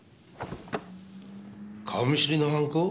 顔見知りの犯行？